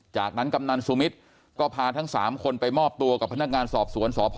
จากนั้นกำนันสุมิตรก็พาทั้ง๓คนไปมอบตัวกับพนักงานสอบสวนสพ